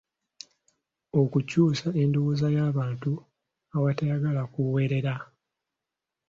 Okukyusa endowooza y'abantu abatayagala kuweerera.